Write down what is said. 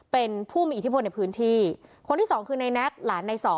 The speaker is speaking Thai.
เป็นผู้มีอิทธิพลในพื้นที่คนที่สองคือในแน็กหลานใน๒